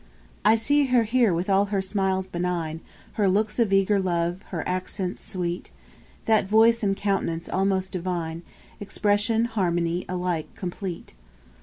5. I see her here with all her smiles benign, Her looks of eager love, her accents sweet, That voice and countenance almost divine, Expression, harmony, alike complete.